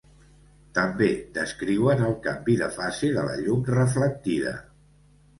També descriuen el canvi de fase de la llum reflectida.